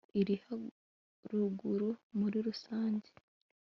iri haruguru muri rusange